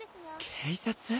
警察！？